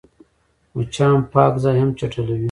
مچان پاک ځای هم چټلوي